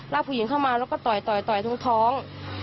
ลากผู้หญิงเข้ามาแล้วก็ต่อยต่อยทุ่งท้อง